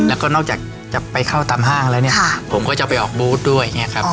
แล้วก็นอกจากจะไปเข้าตามห้างแล้วเนี่ยผมก็จะไปออกบูธด้วยอย่างนี้ครับ